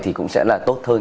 thì cũng sẽ là tốt hơn